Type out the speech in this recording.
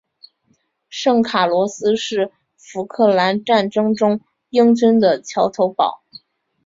圣卡洛斯是福克兰战争中英军的桥头堡。